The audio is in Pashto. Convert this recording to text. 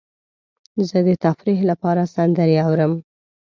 زه د تفریح لپاره سندرې اورم.